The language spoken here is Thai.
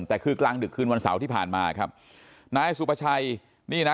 แต่คือกลางดึกคืนวันเสาร์ที่ผ่านมาครับนายสุภาชัยนี่นะ